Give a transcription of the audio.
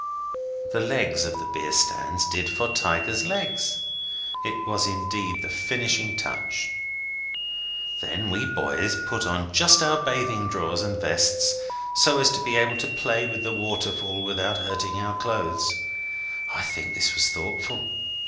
The legs of the beer stands did for tigers' legs. It was indeed the finishing touch. Then we boys put on just our bathing drawers and vests so as to be able to play with the waterfall without hurting our clothes. I think this was thoughtful.